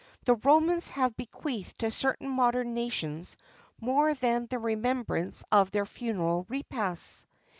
The Romans have bequeathed to certain modern nations more than the remembrance of their funeral repasts.